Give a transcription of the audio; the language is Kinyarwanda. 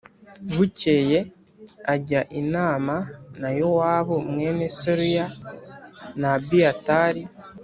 Bukeye ajya inama na Yowabu mwene Seruya na Abiyatari